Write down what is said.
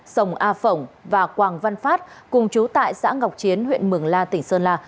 sồng a phổng và quảng văn phát cùng chú tại xã ngọc chiến huyện mường la tỉnh sơn la